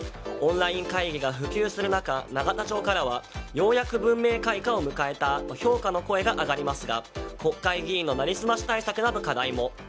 オンライン会議が普及する中永田町からはようやく文明開化を迎えたと評価の声が上がりますが国会議員の成り済まし対策など課題も。